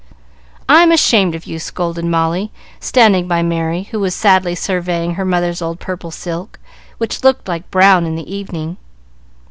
I'm ashamed of you!" scolded Molly, standing by Merry, who was sadly surveying her mother's old purple silk, which looked like brown in the evening.